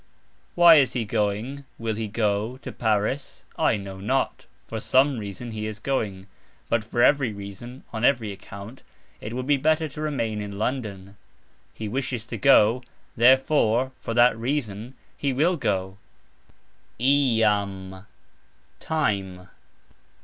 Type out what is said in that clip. "Why" is he going (will he go) to Paris? I know not; "for some reason" he is going, but "for every reason" (on every account) it would be better to remain in London. He wishes to go, "therefore" (for that reason) he will go. "iam", time.